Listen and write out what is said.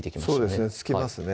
そうですね付きますね